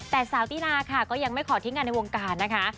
แต่สาวตินาค่ะก็ยังไม่ขอทิ้งงานในวงการนะคะ